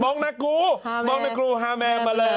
มองนากูมองนากูฮาแมนเมลอ